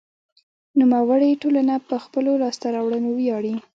نوموړې ټولنه په خپلو لاسته راوړنو ویاړي.